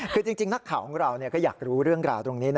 คือจริงนักข่าวของเราก็อยากรู้เรื่องราวตรงนี้